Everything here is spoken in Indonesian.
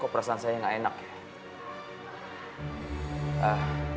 kok perasaan saya nggak enak ya